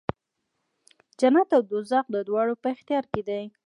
جنت او دوږخ د دوی په اختیار کې دی.